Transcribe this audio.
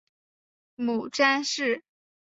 母詹氏。